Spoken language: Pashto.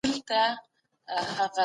د مسئولیت احساس پیاوړی شو.